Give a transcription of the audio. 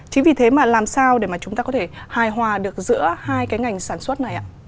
chính vì thế mà làm sao để mà chúng ta có thể hài hòa được giữa hai cái ngành sản xuất này ạ